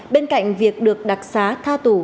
bên cạnh việc được đặc sá tha tù